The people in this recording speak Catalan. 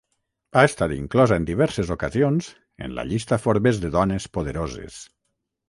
Ha estat inclosa en diverses ocasions en la Llista Forbes de dones poderoses.